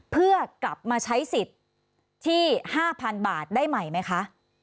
เพื่อกลับมาใช้สิทธิ์ที่๕๐๐๐บาทได้ใหม่ไหมคะ